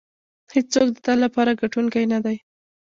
هېڅوک د تل لپاره ګټونکی نه دی.